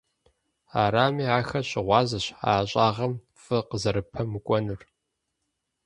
Арами, ахэр щыгъуазэщ я ӏэщӏагъэм фӏы къызэрыпэмыкӏуэнур.